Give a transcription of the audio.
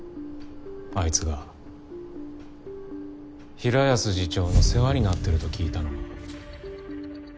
あいつが平安次長の世話になってると聞いたのは。